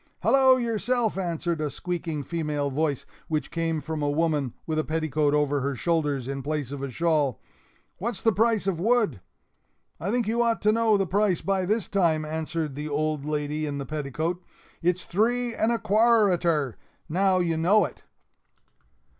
"Hallo yourself!" answered a squeaking female voice, which came from a woman, with a petticoat over her shoulders in place of a shawl. "What's the price of wood?" "I think you ought to know the price by this time," answered the old lady in the petticoat; "it's three and a qua a rter! and now you know it."